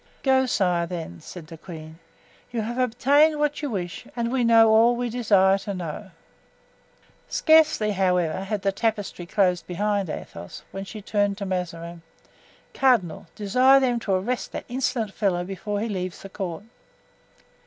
"Go, sir, then," said the queen; "you have obtained what you wish and we know all we desire to know." Scarcely, however, had the tapestry closed behind Athos when she said to Mazarin: "Cardinal, desire them to arrest that insolent fellow before he leaves the court."